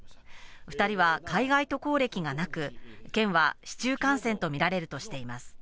２人は海外渡航歴がなく、県は市中感染とみられるとしています。